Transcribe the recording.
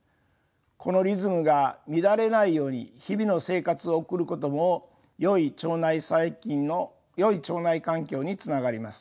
このリズムが乱れないように日々の生活を送ることもよい腸内細菌のよい腸内環境につながります。